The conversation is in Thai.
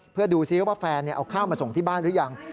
เพื่อดูซิว่าแฟนเอาข้าวมาส่งที่บ้านหรือยัง